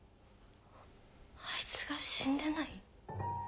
あいつが死んでない？